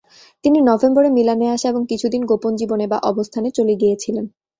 তিনি নভেম্বরে মিলানে আসে এবং কিছুদিন গোপন জীবনে বা অবস্থানে চলে গিয়েছিলেন।